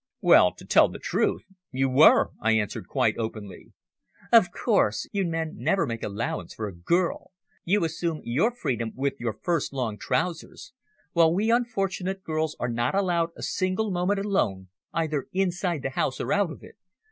"Well, to tell the truth, you were," I answered quite openly. "Of course. You men never make allowance for a girl. You assume your freedom with your first long trousers, while we unfortunate girls are not allowed a single moment alone, either inside the house or out of it.